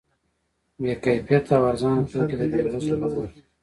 بې کیفیته او ارزانه توکي د بې وزلو په برخه وي.